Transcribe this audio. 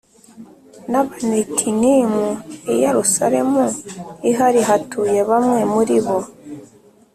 n Abanetinimu I Yerusalemu i hari hatuye bamwe muribo